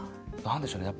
何でしょうね？